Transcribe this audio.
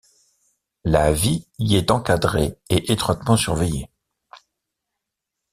La vie y est encadrée et étroitement surveillée.